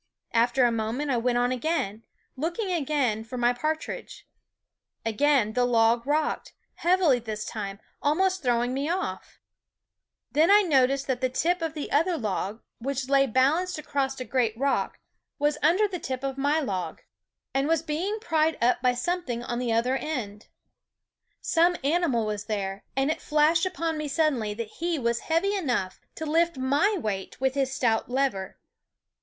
After a moment I went on again, looking again for my partridge. Again the log rocked, heavily this time, almost throw ing me off. Then I noticed that the tip of the other log, which lay balanced across a great rock, was under the tip of my log and SCHOOL was being pried up by something on the TTieTPartr/d&es* otner en< ^ Some animal was there, and it 7toll Call flashed upon me suddenly that he was heavy enough to lift my weight with his stout lever.